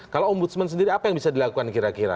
kalau ombudsman sendiri apa yang bisa dilakukan kira kira